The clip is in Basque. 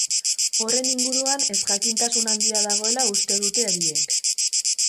Horren inguruan ezjakintasun handia dagoela uste dute biek.